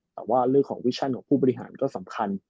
แต่ว่าเรื่องของวิชั่นของผู้บริหารก็สำคัญ